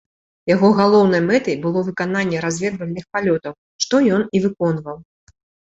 Яго галоўнай мэтай было выкананне разведвальных палётаў, што ён і выконваў.